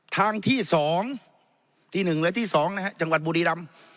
ทางที่สองที่หนึ่งและที่สองนะฮะจังหวัดบุรีรัมน์